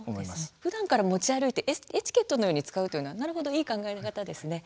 ふだんから持ち歩いてエチケットのように使うというのは、なるほどいい考え方ですね。